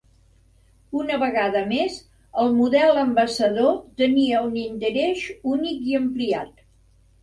Una vegada més, el model Ambassador tenia un intereix únic i ampliat.